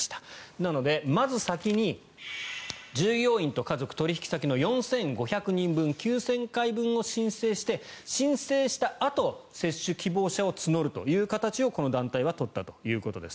なので、まず先に従業員と家族、取引先の４５００人分９０００回分を申請して申請したあと接種希望者を募るという形をこの団体は取ったということです。